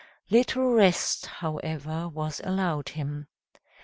Little rest, however, was allowed him.